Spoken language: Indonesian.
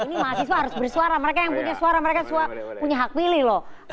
ini mahasiswa harus bersuara mereka yang punya suara mereka punya hak pilih loh